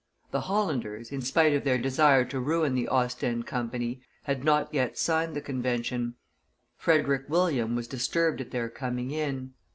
The Hollanders, in spite of their desire to ruin the Ostend Company, had not yet signed the convention; Frederick William was disturbed at their coming in.